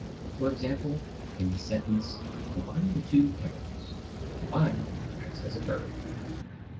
For example, in the sentence "Combine the two chemicals," "combine" acts as a verb.